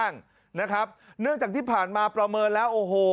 เนื่องจากที่ผ่านมาประเมินแล้วโอ้โห